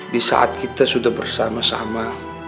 di saat kita sudah bersama sama